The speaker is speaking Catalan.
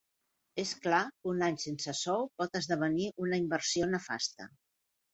És clar que un any sense sou pot esdevenir una inversió nefasta.